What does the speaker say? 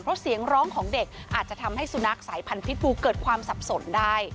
เพราะเสียงร้องของเด็กอาจจะทำให้สุนัขสายพันธิ์ภูเกิดความสับสนได้